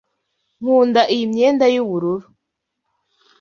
Nkunda iyi myenda yubururu.